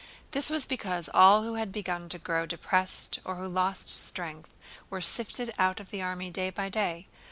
This was because all who began to grow depressed or who lost strength were sifted out of the army day by day.